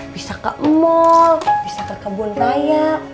bisa ke mall bisa ke kebun raya